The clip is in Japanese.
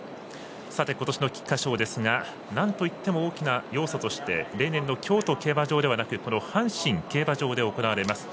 さて、ことしの菊花賞ですがなんといっても大きな要素として例年の京都競馬場ではなく阪神競馬場で行われます。